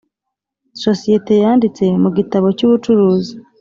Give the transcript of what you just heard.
sosiyete yanditse mu gitabo cy’ ubucuruzi